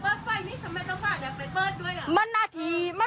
เมื่อกี้มันร้องพักเดียวเลย